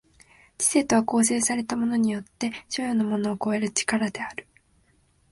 知性とは構成されたものによって所与のものを超える力である。